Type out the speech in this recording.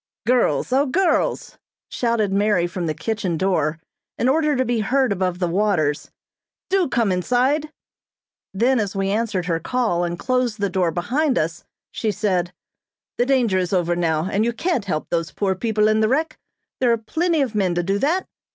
"Girls, O girls!" shouted Mary from the kitchen door in order to be heard above the waters, "Do come inside!" Then, as we answered her call and closed the door behind us, she said: "The danger is over now, and you can't help those poor people in the wreck. There are plenty of men to do that.